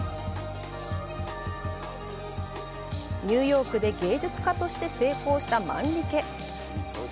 ニューヨークで芸術家として成功したマンリケ。